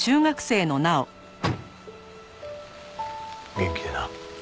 元気でな。